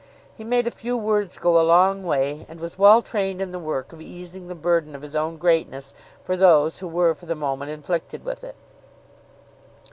He made a few words go a long way, and was well trained in the work of easing the burden of his own greatness for those who were for the moment inflicted with it.